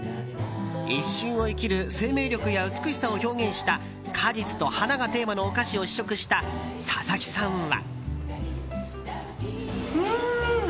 一瞬を生きる生命力や美しさを表現した果実と花がテーマのお菓子を試食した佐々木さんは。